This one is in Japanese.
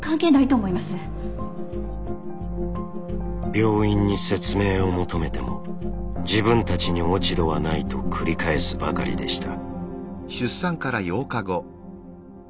病院に説明を求めても自分たちに落ち度はないと繰り返すばかりでした。